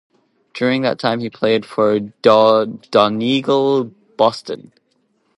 During that time he played for Donegal Boston.